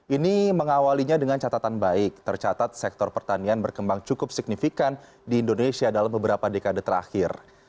ini mengawalinya dengan catatan baik tercatat sektor pertanian berkembang cukup signifikan di indonesia dalam beberapa dekade terakhir